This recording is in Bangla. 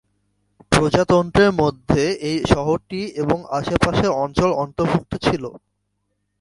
প্রজাতন্ত্রের মধ্যে এই শহরটি এবং আশেপাশের অঞ্চল অন্তর্ভুক্ত ছিল।